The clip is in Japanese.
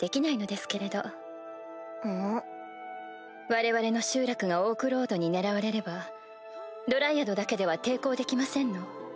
我々の集落がオークロードに狙われればドライアドだけでは抵抗できませんの。